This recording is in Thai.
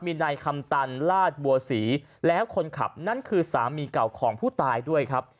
มีนายคำตันลาดบัวศรีแล้วคนขับนั้นคือสามีเก่าของผู้ตายด้วยครับ